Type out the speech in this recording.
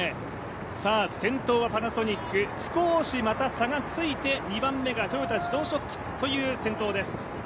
先頭はパナソニック、少しまた差がついて、２番目が豊田自動織機という先頭です。